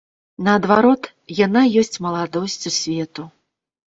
Наадварот, яна ёсць маладосцю свету.